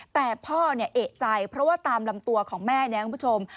แต่พ่อเนี่ยเอกใจเพราะว่าตามลำตัวของแม่เนี่ยคุณผู้ชม